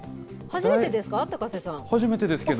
初めてですか？